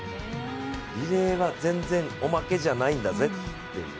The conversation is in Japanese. リレーは全然おまけじゃないんだぜっていう。